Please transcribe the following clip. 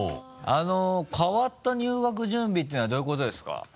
変わった入学準備っていうのはどういうことですか？